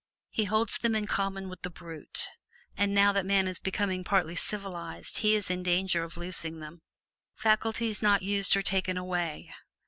He holds them in common with the brute. And now that man is becoming partly civilized he is in danger of losing them. Faculties not used are taken away.